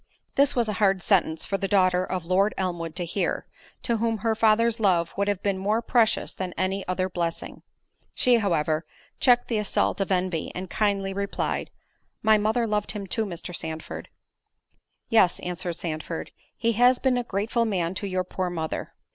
This was a hard sentence for the daughter of Lord Elmwood to hear, to whom her father's love would have been more precious than any other blessing.—She, however, checked the assault of envy, and kindly replied, "My mother loved him too, Mr. Sandford." "Yes," answered Sandford, "he has been a grateful man to your poor mother.